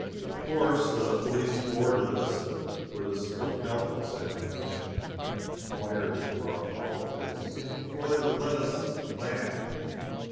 Of course, the police boarded us and put us through a health examination, and inquired into our politics, before they would let us land.